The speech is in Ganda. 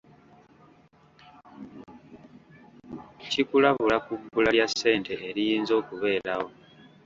Kikulabula ku bbula lya ssente eriyinza okubeerawo.